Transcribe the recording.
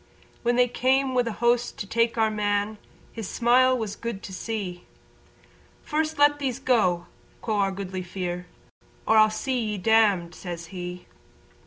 When they came wi' a host to take Our Man His smile was good to see, "First let these go!" quo' our Goodly Fere, "Or I'll see ye damned," says he.